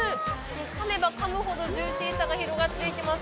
かめばかむほどジューシーさが広がっていきます。